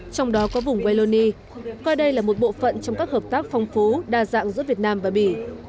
trong đó có vùng wallonie coi đây là một bộ phận trong các hợp tác phong phú đa dạng giữa việt nam và bỉ